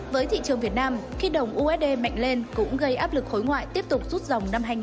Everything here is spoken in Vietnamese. với thị trường việt nam khi đồng usd mạnh lên cũng gây áp lực khối ngoại tiếp tục rút dòng năm hai nghìn hai mươi